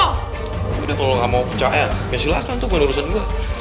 udah kalau lo gak mau percaya ya silahkan tuh buat urusan gue